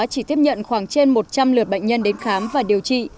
chỉ tiếp nhận khoảng trên một trăm linh lượt bệnh nhân đến khám và điều trị